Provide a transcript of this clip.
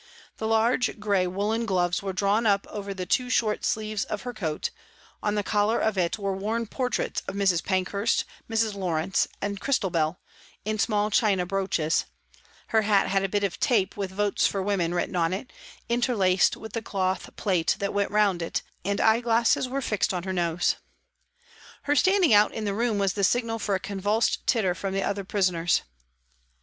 The large, grey woollen gloves were drawn up over the too short sleeves of her coat ; on the collar of it were worn portraits of Mrs. Pankhurst, Mrs. Lawrence and Christabel, in small china brooches ; her hat had a bit of tape with " Votes for Women " written on it, interlaced with the cloth plait that went round it, and eye glasses were fixed on her nose. Her standing out in the room was the signal for a convulsed titter from the other prisoners.